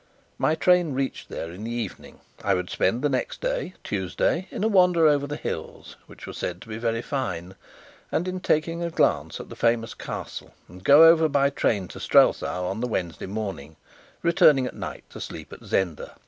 My train reached there in the evening; I would spend the next day, Tuesday, in a wander over the hills, which were said to be very fine, and in taking a glance at the famous Castle, and go over by train to Strelsau on the Wednesday morning, returning at night to sleep at Zenda.